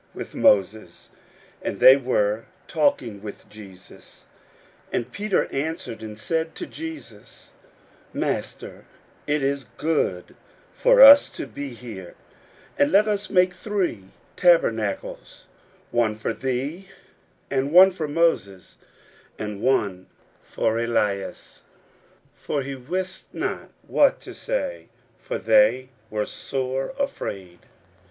41:009:005 And Peter answered and said to Jesus, Master, it is good for us to be here: and let us make three tabernacles; one for thee, and one for Moses, and one for Elias. 41:009:006 For he wist not what to say; for they were sore afraid.